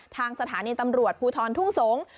ทางสถานีตำรวจภูทรทุ่งสงศ์